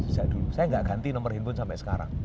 saya tidak ganti nomor handphone sampai sekarang